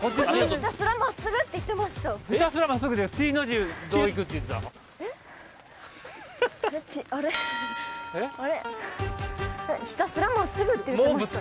ひたすらまっすぐって言ってました。